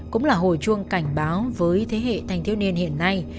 cũng là hồi chuông cảnh báo với thế hệ thanh thiếu niên hiện nay